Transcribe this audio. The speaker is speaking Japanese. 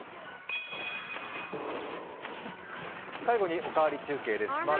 最後に「おかわり中継」です。